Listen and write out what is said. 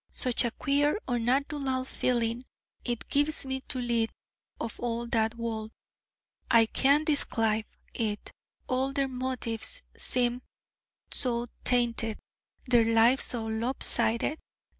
Such a queer, unnatulal feeling it gives me to lead of all that world: I can't desclibe it; all their motives seem so tainted, their life so lopsided.